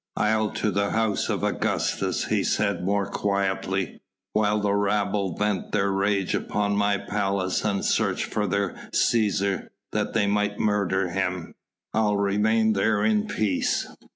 "I'll to the House of Augustus," he said more quietly, "while the rabble vent their rage upon my palace and search for their Cæsar that they might murder him, I'll remain there in peace.